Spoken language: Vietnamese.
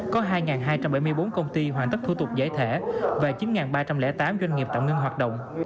có hai hai trăm bảy mươi bốn công ty hoàn tất thủ tục giải thể và chín ba trăm linh tám doanh nghiệp tạm ngưng hoạt động